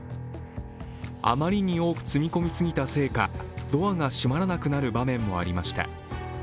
あまりに多く積み込みすぎたせいか、ドアが閉まらなくなる場面もありました。